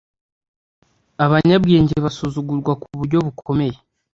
abanyabwenge basuzugurwa kuburyo bukomeye